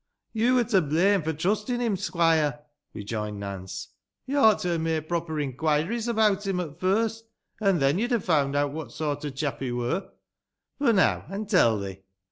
" Yo wur to blame fo' trustin' him, squoire," rejoined Nance. Yo ought to ha' made proper inquiries about him at first, an* then yo'd ha* found out what sort o' chap he wur. Boh now ey'n teil ye.